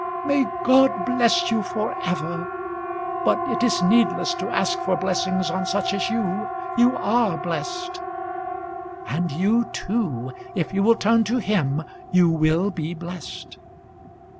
"May God bless you for ever. But it is needless to ask for blessings on such as you. You are blessed." "And you too; if you will turn to Him you will be blessed."